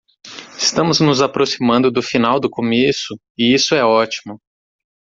Estamos nos aproximando do final do começo? e isso é ótimo!